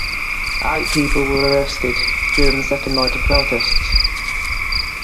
Eight people were arrested during the second night of protests.